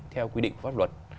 theo quy định pháp luật